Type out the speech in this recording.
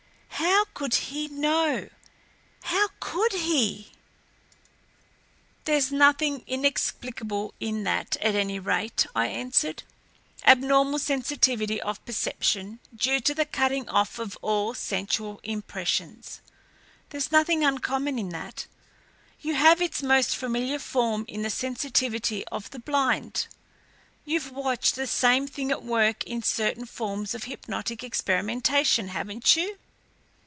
How could he know how could he?" "There's nothing inexplicable in that, at any rate," I answered. "Abnormal sensitivity of perception due to the cutting off of all sensual impressions. There's nothing uncommon in that. You have its most familiar form in the sensitivity of the blind. You've watched the same thing at work in certain forms of hypnotic experimentation, haven't you?